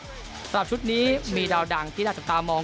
สำหรับชุดนี้มีดาวดังที่น่าจับตามอง